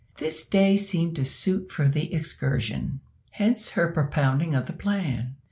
This day seemed to suit for the excursion hence her propounding of the plan.